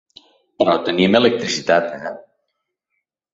Però tenim electricitat, eh?